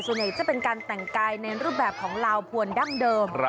จะเป็นการแต่งกายในรูปแบบของลาวพวนดั้งเดิม